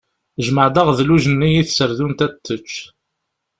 Jmeɛ-d aɣedluj-nni i tserdunt ad t-tečč.